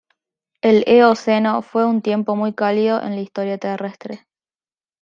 El Eoceno fue un tiempo muy cálido en la historia terrestre.